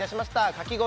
かき氷